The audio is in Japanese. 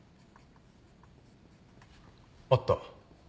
あった。